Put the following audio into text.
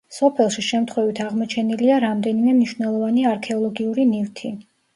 სოფელში შემთხვევით აღმოჩენილია რამდენიმე მნიშვნელოვანი არქეოლოგიური ნივთი.